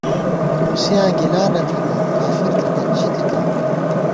ہُورُوسیاں گِلانہ تھنہ ، کافر تھنئیت ، ژی تِتہ